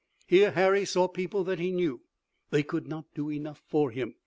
Here Harry saw people that he knew. They could not do enough for him.